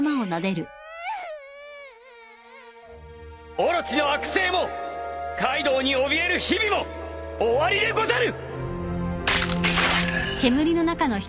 オロチの悪政もカイドウにおびえる日々も終わりでござる！